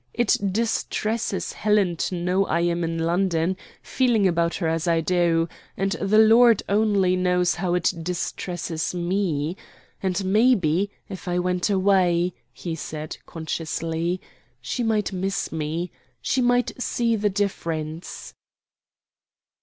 "It distresses Helen to know I am in London, feeling about her as I do and the Lord only knows how it distresses me. And, maybe, if I went away," he said, consciously, "she might miss me. She might see the difference."